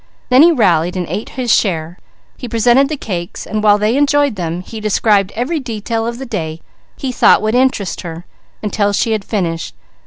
Then he rallied and ate his share. He presented the cakes, and while they enjoyed them he described every detail of the day he thought would interest her, until she had finished.